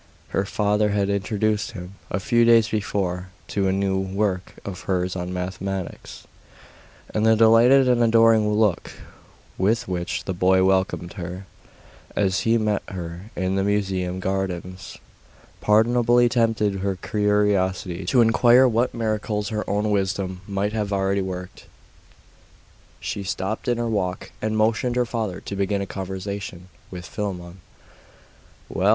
Her father had introduced him, a few days before, to a new work of hers on Mathematics; and the delighted and adoring look with which the boy welcomed her, as he met her in the Museum Gardens, pardonably tempted her curiosity to inquire what miracles her own wisdom might have already worked. She stopped in her walk, and motioned her father to begin a conversation with Philammon. 'Well!